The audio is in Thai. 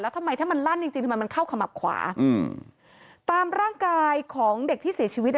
ทำไมถ้ามันลั่นจริงจริงทำไมมันเข้าขมับขวาอืมตามร่างกายของเด็กที่เสียชีวิตอ่ะ